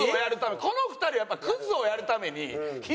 この２人はやっぱクズをやるために必死ですから。